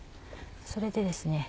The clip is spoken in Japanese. それでですね